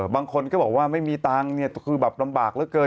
บางคนก็บอกว่าไม่มีตังค์เนี่ยคือแบบลำบากเหลือเกิน